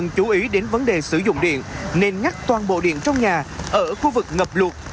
chú ý đến vấn đề sử dụng điện nên ngắt toàn bộ điện trong nhà ở khu vực ngập luộc